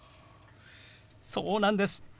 そうなんです。